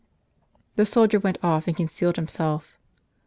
The soldier went off, and concealed himself.